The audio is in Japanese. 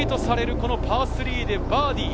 このパー３でバーディー。